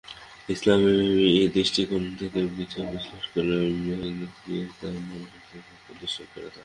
ইসলামি দৃষ্টিকোণ থেকে বিচার-বিশ্লেষণ করলে মেয়েকে তার মোহরানার টাকা পরিশোধ করতে হয়।